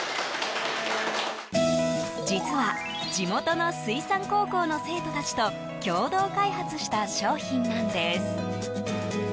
実は地元の水産高校の生徒たちと共同開発した商品なんです。